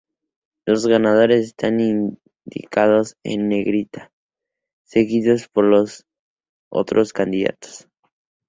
Los ganadores están indicados en negrita, seguidos por los otros candidatos.